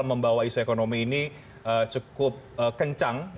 membawa isu ekonomi ini cukup kencang